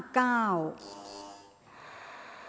ออกรางวัลที่๖